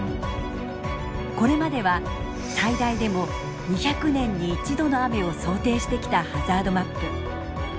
これまでは最大でも２００年に１度の雨を想定してきたハザードマップ。